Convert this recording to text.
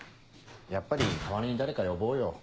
やっぱり代わりに誰か呼ぼうよ。